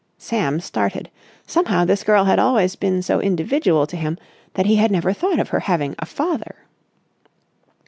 Sam started. Somehow this girl had always been so individual to him that he had never thought of her having a father.